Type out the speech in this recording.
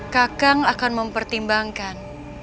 kakang akan mempertimbangkan